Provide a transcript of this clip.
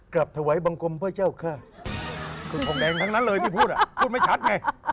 กลับถวายบังคมพระเจ้าค่ะคุณทองแดงทั้งนั้นเลยที่พูดพูดไม่ชัดไง